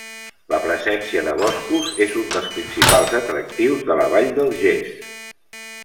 La presència de boscos és un dels principals atractius de la Vall del Ges.